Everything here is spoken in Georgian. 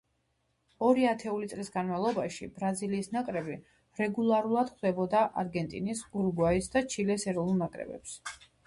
ორი ათეული წლის განმავლობაში ბრაზილიის ნაკრები რეგულარულად ხვდებოდა არგენტინის, ურუგვაის და ჩილეს ეროვნულ ნაკრებებს.